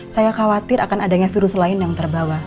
saya khawatir akan adanya virus lain yang terbawa